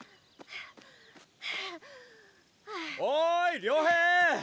おい遼平！